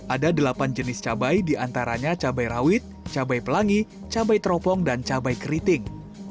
ada delapan jenis cabai diantaranya cabai rawit cabai pelangi cabai teropong dan cabai keriting